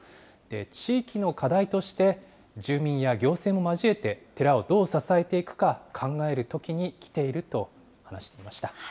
地域の課題として、住民や行政も交えて、寺をどう支えていくか、考えるときにきていると話していました。